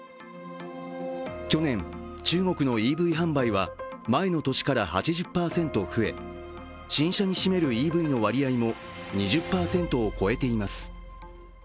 去年、中国のＥＶ販売は前の年から８０％増え新車に占めるＥＶの割合も２０％を超えています。